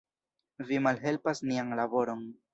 Vi malhelpas nian laboron.